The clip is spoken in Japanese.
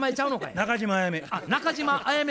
中島あやめ。